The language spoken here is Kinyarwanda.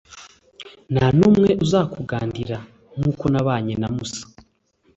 nta n'umwe uzakugandira. nk'uko nabanye na musa